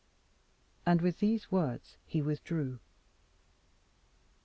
And with these words he withdrew.